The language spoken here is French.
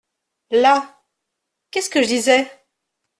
Là !… qu’est-ce que je disais ?